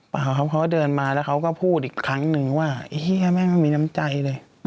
เปล่าครับเขาเดินมาแล้วเขาก็พูดอีกครั้งหนึ่งว่าไอ้เหี้ยแม่งไม่มีน้ำใจเลย